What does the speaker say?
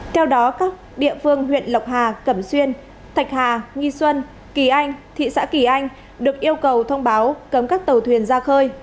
theo đó các địa phương huyện lộc hà cẩm xuyên thạch hà nghi xuân kỳ anh thị xã kỳ anh được yêu cầu thông báo cấm các tàu thuyền ra khơi